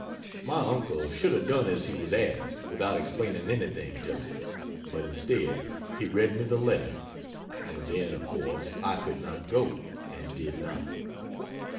My uncle should have done as he was asked, without explaining anything to me; but instead, he read me the letter; and then, of course, I could not go and did not.